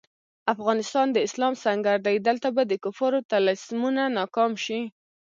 افغانستان د اسلام سنګر دی، دلته به د کفارو طلسمونه ناکام شي.